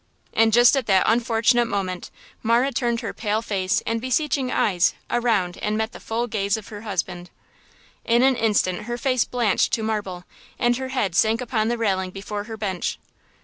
And just at that unfortunate moment Marah turned her pale face and beseeching eyes around and met the full gaze of her husband! In an instant her face blanched to marble and her head sank upon the railing before her bench.